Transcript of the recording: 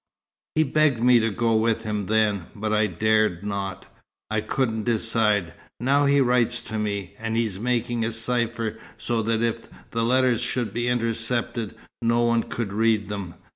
He begged me to go with him then, but I dared not. I couldn't decide. Now he writes to me, and he's making a cypher, so that if the letters should be intercepted, no one could read them.